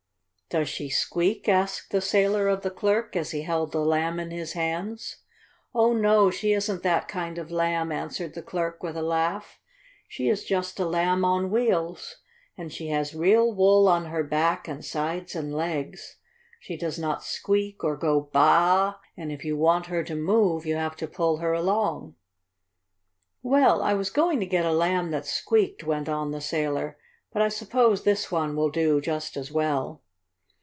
"Does she squeak?" asked the sailor of the clerk, as he held the Lamb in his hands. "Oh, no. She isn't that kind of Lamb," answered the clerk, with a laugh. "She is just a Lamb on Wheels, and she has real wool on her back and sides and legs. She does not squeak or go baa a a a, and if you want her to move you have to pull her along." "Well, I was going to get a Lamb that squeaked," went on the sailor, "but I suppose this one will do just as well."